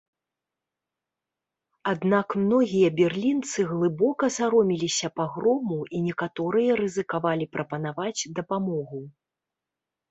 Аднак многія берлінцы глыбока саромеліся пагрому, і некаторыя рызыкавалі прапанаваць дапамогу.